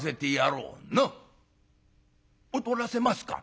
「踊らせますか？」。